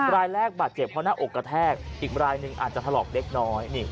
รายแรกบาดเจ็บเพราะหน้าอกกระแทกอีกรายหนึ่งอาจจะถลอกเล็กน้อย